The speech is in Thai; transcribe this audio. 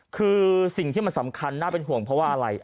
คือสิ่งที่มันสำคัญน่าเป็นห่วงเพราะว่าอะไร